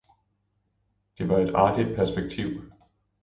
Det var et artigt perspektiv.